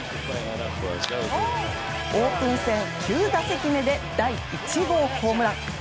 オープン戦９打席目で第１号ホームラン。